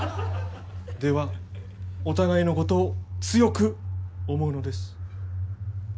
ではお互いのことを強く思うのです。